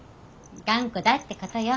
頑固だってことよ。